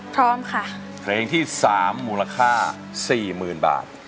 พร้อมค่ะเพลงที่สามมูลค่าสี่หมื่นบาท